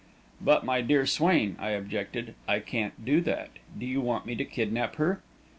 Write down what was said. "But, my dear Swain," I objected, "I can't do that. Do you want me to kidnap her?"